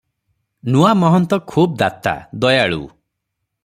ନୂଆ ମହନ୍ତ ଖୁବ୍ ଦାତା, ଦୟାଳୁ ।